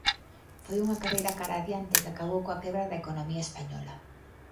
Foi unha carreira cara a adiante que acabou coa quebra da economía española.